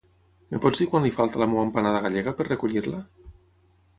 Em pots dir quant li falta a la meva empanada gallega per recollir-la?